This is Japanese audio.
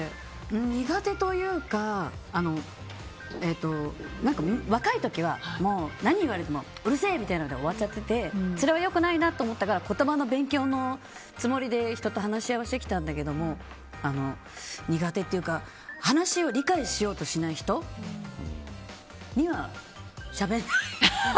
苦手というか若い時は、何言われてもうるせえ！みたいなので終わっちゃっててそれは良くないなと思ったから言葉の勉強のつもりで人と話し合いをしてきたんだけど苦手というか話を理解しようとしない人にはしゃべらない。